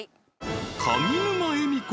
上沼恵美子